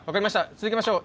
続けましょう。